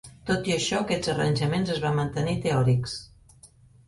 Tot i això, aquests arranjaments es van mantenir teòrics.